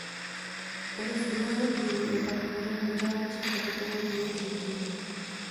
Konec druhého dílu je pak tvořen počáteční kapitolou dílu třetího.